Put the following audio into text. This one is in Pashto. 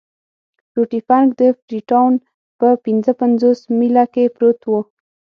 روټي فنک د فري ټاون په پنځه پنځوس میله کې پروت وو.